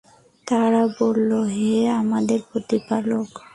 তারা বলল, হে আমাদের প্রতিপালক!